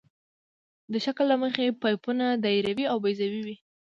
د شکل له مخې پایپونه دایروي او بیضوي وي